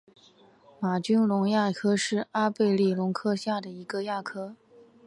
玛君龙亚科是阿贝力龙科下的一个亚科。